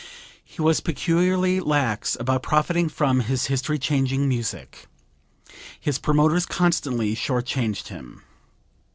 He was peculiarly lax about profiting from his history changing music. His promoters constantly short changed him.